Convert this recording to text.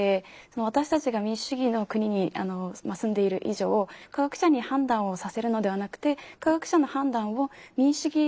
私たちが民主主義の国に住んでいる以上科学者に判断をさせるのではなくて科学者の判断を民主主義